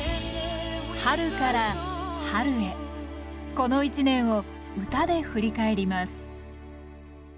この一年を歌で振り返ります